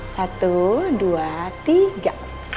satu dua tiga